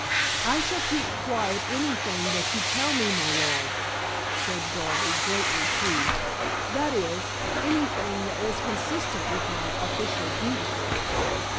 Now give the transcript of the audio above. "I shall keep quiet anything that you tell me, my lord," said Darby greatly pleased; "that is, anything that is consistent with my official duty."